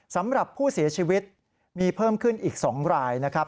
สำหรับผู้เสียชีวิตมีเพิ่มขึ้นอีก๒รายนะครับ